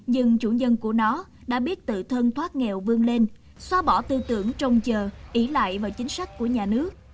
nhưng chủ dân của nó đã biết tự thân thoát nghèo vươn lên xóa bỏ tư tưởng trông chờ ý lại vào chính sách của nhà nước